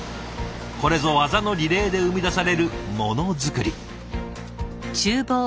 これぞ技のリレーで生み出されるモノづくり。